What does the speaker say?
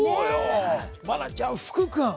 愛菜ちゃん、福君。